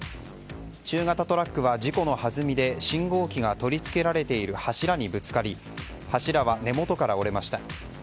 中型トラックは事故のはずみで信号機が取り付けられている柱にぶつかり柱は根元から折れました。